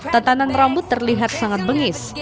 tatanan rambut terlihat sangat bengis